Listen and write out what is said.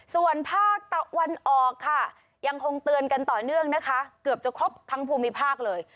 ส่วนภาคตะวันออกค่ะยังคงเตือนกันต่อเนื่องนะคะเกือบจะครบทั้งภูมิภาคเลย